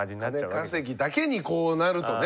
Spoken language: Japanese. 金稼ぎだけにこうなるとね。